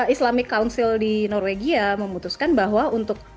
islamic council di norwegia memutuskan bahwa untuk